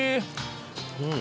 うん！